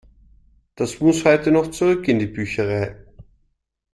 Das muss heute noch zurück in die Bücherei.